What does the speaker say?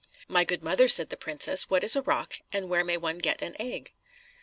"My good mother," said the princess, "what is a roc, and where may one get an egg?"